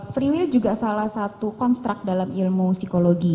free will juga salah satu konstrak dalam ilmu psikologi